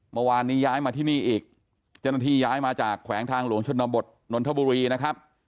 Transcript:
เมื่อวานนี้ย้ายมาที่นี่อีกเจ้าหน้าที่ย้ายมาจากแขวงทางหลวงชนบทนนทบุรีนะครับ